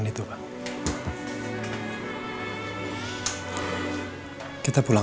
tidak ada apa apa